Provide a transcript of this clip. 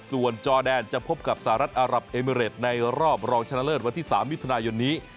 ส่วนจอแดนจะพบกับสหรัฐอารับเอมิเรตในรอบรองชนะเลิศวันที่๓มิถุนายนนี้